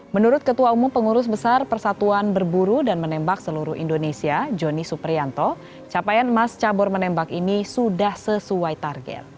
menurut ketua umum pengurus besar persatuan berburu dan menembak seluruh indonesia joni suprianto capaian emas cabur menembak ini sudah sesuai target